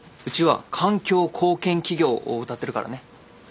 うちは環境貢献企業をうたってるからね。